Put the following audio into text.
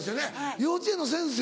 幼稚園の先生？